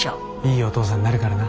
いいお父さんになるからな。